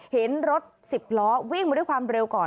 เห็นรถ๑๐ล้อวิ่งมาด้วยความเร็วก่อน